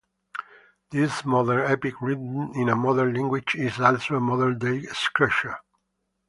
This modern epic written in a modern language is also a modern-day scripture.